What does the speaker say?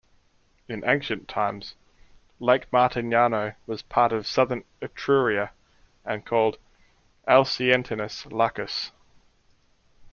In ancient times Lake Martignano was part of southern Etruria and called Alsietinus Lacus.